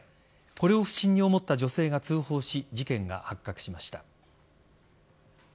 これを不審に思った女性が通報し事件が発覚しました。